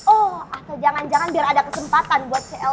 oh atau jangan jangan biar ada kesempatan buat clbk sama riva